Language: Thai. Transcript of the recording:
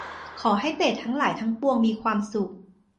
ขอให้เปรตทั้งหลายทั้งปวงมีความสุข